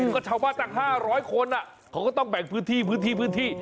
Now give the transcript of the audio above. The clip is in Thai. ก็ชาวบ้านตั้ง๕๐๐คนเขาก็ต้องแบ่งพื้นที่พื้นที่